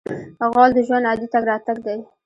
غول د ژوند عادي تګ راتګ دی.